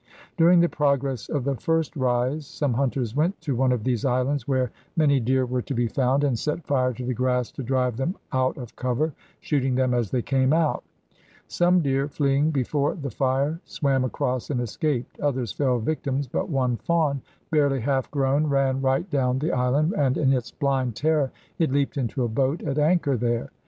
During the progress of the first rise some hunters went to one of these islands where many deer were to be found and set fire to the grass to drive them out of cover, shooting them as they came out. Some deer, fleeing before the fire, swam across and escaped, others fell victims, but one fawn, barely half grown, ran right down the island, and in its blind terror it leaped into a boat at anchor there.